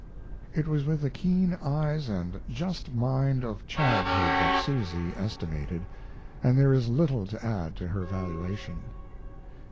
It was with the keen eyes and just mind of childhood that Susy estimated, and there is little to add to her valuation.